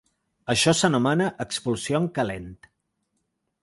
Això s’anomena expulsió en calent.